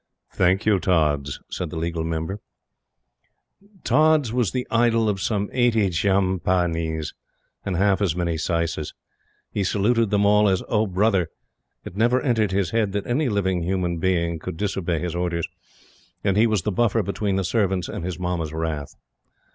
"Thank you, Tods," said the Legal Member. Tods was the idol of some eighty jhampanis, and half as many saises. He saluted them all as "O Brother." It never entered his head that any living human being could disobey his orders; and he was the buffer between the servants and his Mamma's wrath.